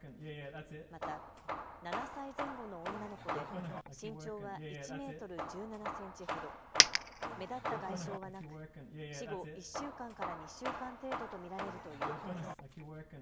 また、７歳前後の女の子で身長は１メートル１７センチほど、目立った外傷はなく死後１週間から２週間程度と見られるということです。